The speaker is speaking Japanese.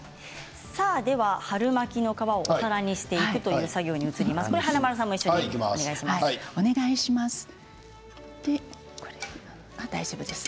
春巻きの皮をお皿にしていくという作業に移ります。